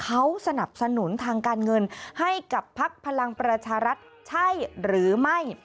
เขาสนับสนุนทางการเงินให้กับพักพลังประชารัฐใช่หรือไม่